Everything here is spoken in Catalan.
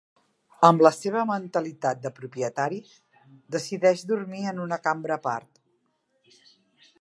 Amb la seva mentalitat de propietari, decideix dormir en una cambra a part.